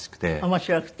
面白くて。